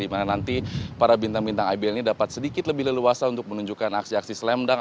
dimana nanti para bintang bintang ibl ini dapat sedikit lebih leluasa untuk menunjukkan aksi aksi slam dunk